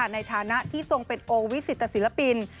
ในฐานะที่ทรงเป็นโอวิสิตศิลปิน